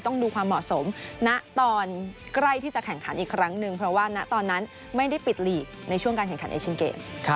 ต้องดูความเหมาะสมณตอนใกล้ที่จะแข่งขันอีกครั้งหนึ่งเพราะว่าณตอนนั้นไม่ได้ปิดลีกในช่วงการแข่งขันเอเชียนเกม